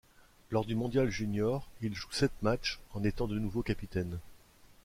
Lors du mondial junior, il joue sept matchs, en étant de nouveau capitaine.